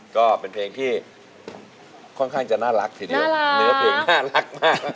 ก็เป็นเพลงที่ค่อนข้างจะน่ารักทีเดียวเนื้อเพลงน่ารักมาก